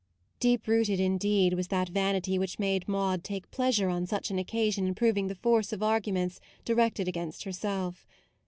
Deep rooted, indeed, was that vanity which made Maude take pleasure on such an occasion in proving the force of arguments di rected against herself.